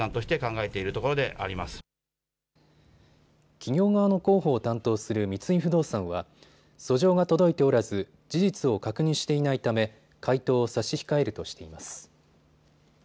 企業側の広報を担当する三井不動産は訴状が届いておらず、事実を確認していないため回答を差し控えるとしています。